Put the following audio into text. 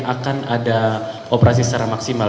akan ada operasi secara maksimal